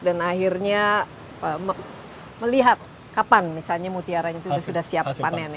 dan akhirnya melihat kapan misalnya mutiaranya itu sudah siap panen